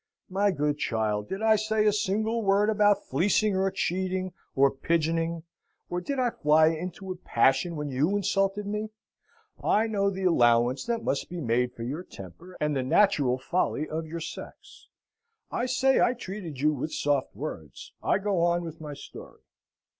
"My good child, did I say a single word about fleecing or cheating, or pigeoning, or did I fly into a passion when you insulted me? I know the allowance that must be made for your temper, and the natural folly of your sex. I say I treated you with soft words I go on with my story.